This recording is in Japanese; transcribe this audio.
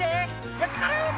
ぶつかる！」